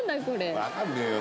わかんねえよ。